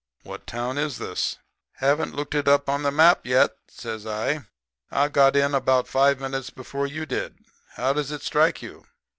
What town is this?' "'Haven't looked it up on the map yet,' says I. 'I got in about five minutes before you did. How does it strike you?'